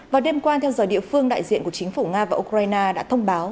vào đêm qua theo giờ địa phương đại diện của chính phủ nga và ukraine đã thông báo